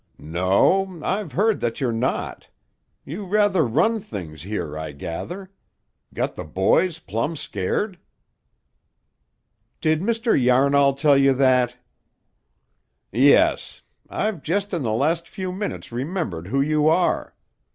"No. I've heard that you're not. You rather run things here, I gather; got the boys 'plumb scared'?" "Did Mr. Yarnall tell you that?" "Yes. I've just in the last few minutes remembered who you are.